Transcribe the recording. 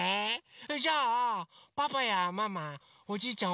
それじゃあパパやママおじいちゃん